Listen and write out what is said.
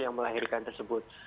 yang melahirkan tersebut